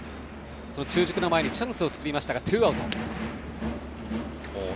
中軸の前にチャンスを作りましたがツーアウト。